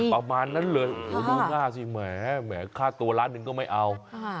ประมาณนั้นเลยโอ้โหดูหน้าสิแหมค่าตัวล้านหนึ่งก็ไม่เอา